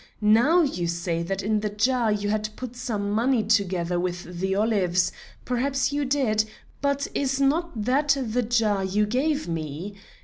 Now you say that in the jar you had put some money together with the olives; perhaps you did, but is not that the jar you gave me?